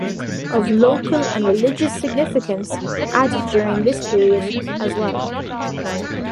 Artwork of local and religious significance were added during this period, as well.